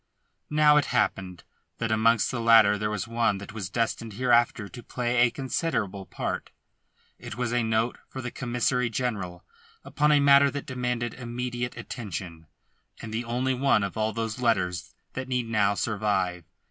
Now it happened that amongst the latter there was one that was destined hereafter to play a considerable part; it was a note for the Commissary General upon a matter that demanded immediate attention, and the only one of all those letters that need now survive.